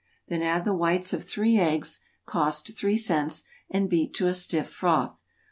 Then add the whites of three eggs, (cost three cents,) and beat to a stiff froth.